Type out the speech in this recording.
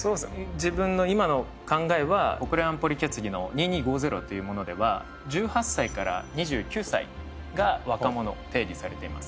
自分の今の考えは国連安保理決議の２２５０っていうものでは１８歳から２９歳が若者と定義されています。